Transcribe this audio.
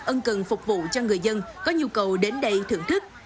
ân cần phục vụ cho người dân có nhu cầu đến đây thưởng thức